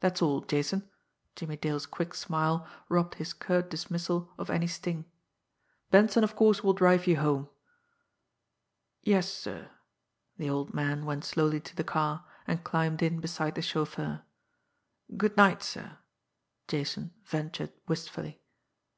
That's all Jason." Jimmie Dale's quick smile robbed his curt dismissal of any sting. "Benson, of course, will drive you home." "Yes, sir." The old man went slowly to the car, and climbed in beside the chauffeur. "Good night, sir!" Jason ventured wistfully.